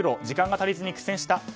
時間が足りずに苦戦した。